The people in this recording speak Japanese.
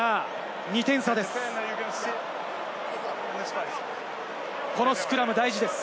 ２点差です。